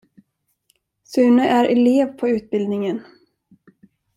Sune är elev på utbildningen.